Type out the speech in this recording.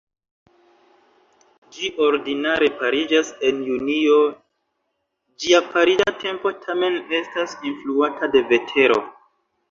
Ĝi ordinare pariĝas en junio, ĝia pariĝa tempo tamen estas influata de vetero.